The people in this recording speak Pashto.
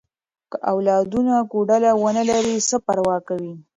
که اولادونه کوډله ونه لري، څه پروا کوي؟